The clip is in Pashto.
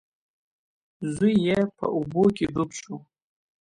زوی یې په اوبو کې ډوب شو.